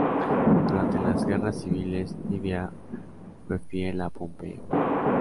Durante las guerras civiles, Libia fue fiel a Pompeyo.